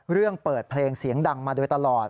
เรื่องเปิดเพลงเสียงดังมาโดยตลอด